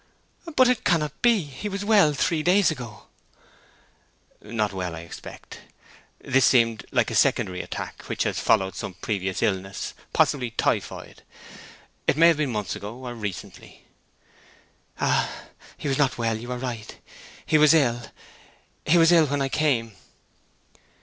"But it cannot be! He was well three days ago." "Not well, I suspect. This seems like a secondary attack, which has followed some previous illness—possibly typhoid—it may have been months ago, or recently." "Ah—he was not well—you are right. He was ill—he was ill when I came."